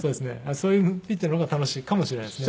そういうピッチャーの方が楽しいかもしれないですね。